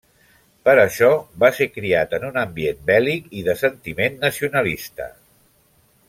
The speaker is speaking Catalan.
Per això, va ser criat en un ambient bèl·lic i de sentiment nacionalista.